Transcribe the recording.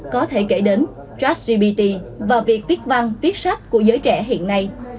có thể kể đến trách gbt và việc viết văn viết sách của giới trẻ hiện nay